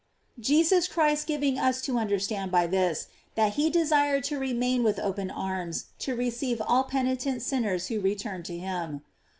Jesus Christ giv ing us to understand by this, that he desired to remain with open arms to receive all penitent sinners who return to him.